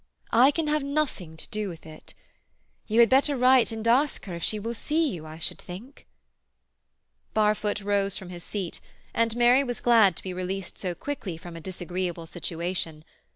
I can have nothing to do with it. You had better write and ask her if she will see you, I should think." Barfoot rose from his seat, and Mary was glad to be released so quickly from a disagreeable situation.